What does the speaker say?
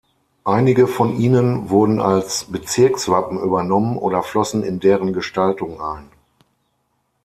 Einige von ihnen wurden als Bezirkswappen übernommen oder flossen in deren Gestaltung ein.